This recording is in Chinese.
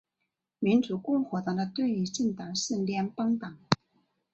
民主共和党的对立政党是联邦党。